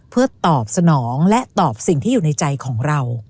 เพื่อตอบสนองและตอบสิ่งที่อยู่ในใจของเรา